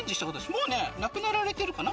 もう亡くなられてるかな？